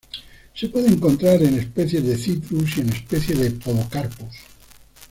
Se puede encontrar en especies de "Citrus", y en especies de "Podocarpus"